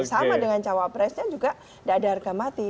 sama dengan cawapresnya juga tidak ada harga mati